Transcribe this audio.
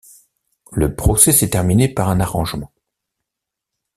Le procès s'est terminé par un arrangement.